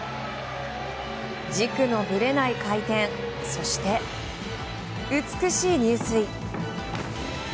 軸のぶれない回転そして美しい入水。